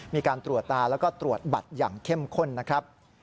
มีการตรวจตาแล้วก็ตรวจบัตรอย่างเข้มข้นนะครับ